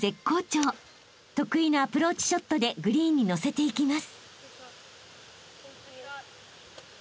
［得意のアプローチショットでグリーンにのせていきます］